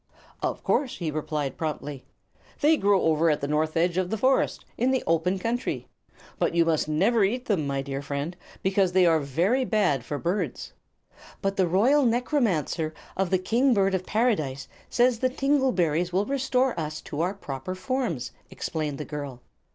"Of course," he replied, promptly. "They grow over at the north edge of the forest, in the open country. But you must never eat them, my dear friend, because they are very bad for birds." "But the Royal Necromancer of the King Bird of Paradise says the tingle berries will restore us to our proper forms," explained the girl.